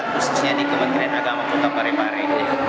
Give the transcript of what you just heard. khususnya di kementerian agama kota parepare